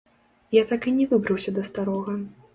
Я так і не выбраўся да старога.